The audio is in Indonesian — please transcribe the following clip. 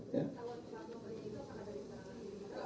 kalau di plat nomer itu